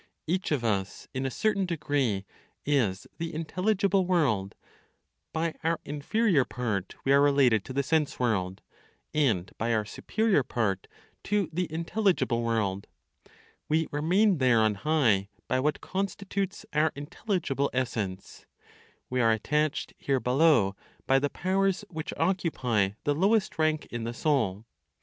Each of us, in a certain degree, is the intelligible world; by our inferior part we are related to the sense world, and by our superior part, to the intelligible world; we remain there on high by what constitutes our intelligible essence; we are attached here below by the powers which occupy the lowest rank in the soul.